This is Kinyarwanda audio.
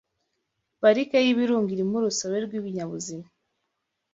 Pariki y’ibirunga irimo urusobe rw’ibinyabuzima